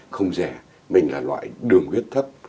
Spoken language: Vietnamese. không rẻ mình là loại đường huyết thấp